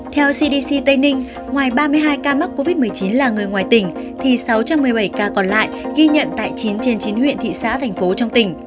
theo cdc tây ninh ngoài ba mươi hai ca mắc covid một mươi chín là người ngoài tỉnh thì sáu trăm một mươi bảy ca còn lại ghi nhận tại chín trên chín huyện thị xã thành phố trong tỉnh